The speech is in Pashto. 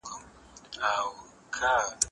زه کولای سم کتاب ولولم،